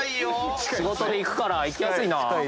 仕事で行くから行きやすいな。